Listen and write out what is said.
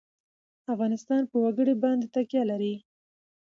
افغانستان په وګړي باندې تکیه لري.